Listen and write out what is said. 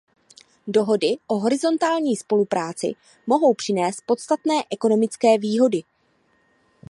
Dohody o horizontální spolupráci mohou přinést podstatné ekonomické výhody.